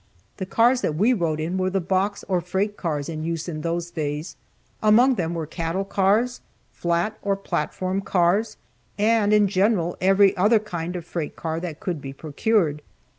The cars that we rode in were the box or freight cars in use in those days. Among them were cattle cars, flat or platform cars, and in general every other kind of freight car that could be procured.